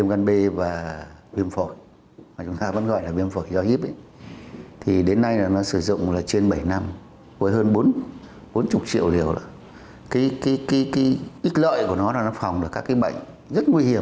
nó sử dụng là trên bảy năm với hơn bốn mươi triệu liều ít lợi của nó là nó phòng các bệnh rất nguy hiểm